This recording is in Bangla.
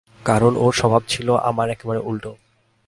কারণ ওর স্বভাব ছিল আমার একেবারে উলটো।